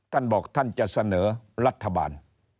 ท่านบอกท่านจะเสนอรัฐบาล